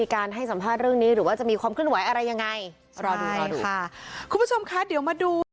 คุณผู้ชมคะเดี๋ยวมาดู